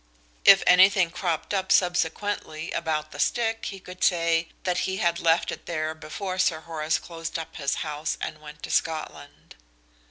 If anything cropped up subsequently about the stick he could say that he had left it there before Sir Horace closed up his house and went to Scotland.